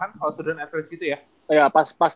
kalau student athlete gitu ya